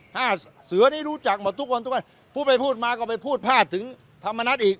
ห้าเสือนี้รู้จักหมดทุกคนทุกวันพูดไปพูดมาก็ไปพูดพลาดถึงธรรมนัฐอีก